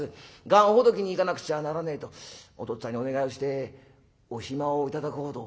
願ほどきに行かなくちゃならねえとおとっつぁんにお願いをしてお暇を頂こうと」。